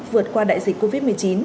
vượt qua đại dịch covid một mươi chín